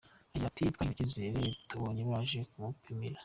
Agira ati “Twagize icyizere tubonye baje kuwupima.